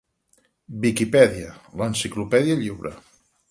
Viquipèdia, l'enciclopèdia lliure.